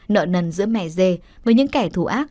nợ nần giữa mẻ dê với những kẻ thù ác